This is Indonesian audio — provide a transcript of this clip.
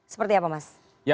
seperti apa mas